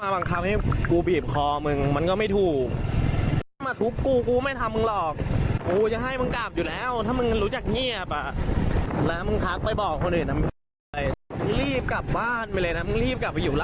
พ่อคนที่มาบังคาบให้มันบีบ